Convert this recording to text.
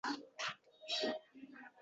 Birovning yelkasiga ortmoqladi.